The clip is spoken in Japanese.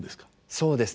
そうですね。